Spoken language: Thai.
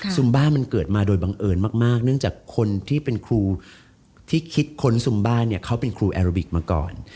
ซุมบ่ะเกิดมาด้วยบังเอิญมากเนื่องจากคนที่เป็นครูคิดค้นซุมบ่ะเค้าเป็นครูอาโลบิกมาก่อน